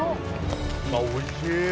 おいしい